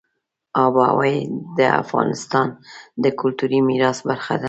آب وهوا د افغانستان د کلتوري میراث برخه ده.